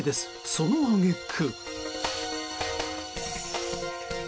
その揚げ句。